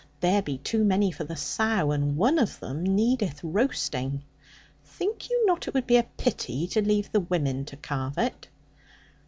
There be too many for the sow, and one of them needeth roasting. Think you not it would be a pity to leave the women to carve it?'